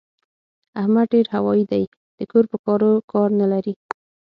احمد ډېر هوايي دی؛ د کور په کارو کار نه لري.